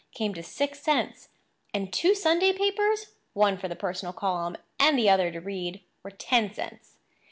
—came to six cents; and two Sunday papers—one for the personal column and the other to read—were ten cents.